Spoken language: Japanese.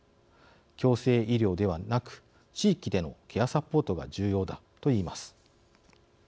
強制医療ではなく地域でのケアサポートが重要」だといいます。